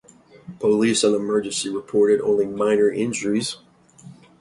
Police and emergency reported only minor injuries.